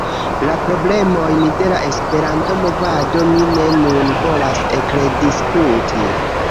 La problemojn de la Esperanto-movado mi ne nun volas ekrediskuti.